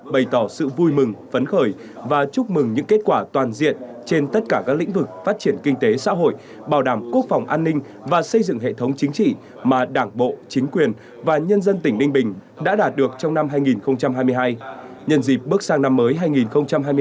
bày tỏ sự vui mừng phấn khởi và chúc mừng những kết quả toàn diện trên tất cả các lĩnh vực phát triển kinh tế xã hội bảo đảm quốc phòng an ninh và xây dựng hệ thống chính trị mà đảng bộ chính quyền và nhân dân tỉnh ninh bình đã đạt được trong năm hai nghìn hai mươi hai